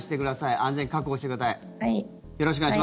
安全確保しください。